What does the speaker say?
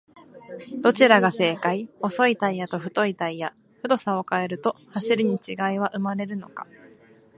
どちらが正解!?細いタイヤと太いタイヤ、太さを変えると走りに違いは生まれるのか？